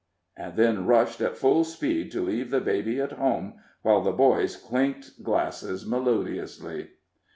and then rushed at full speed to leave the baby at home, while the boys clinked glasses melodiously.